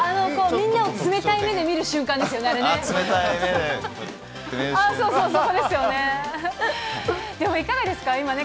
みんなを冷たい目で見る瞬間ですよね、あれね。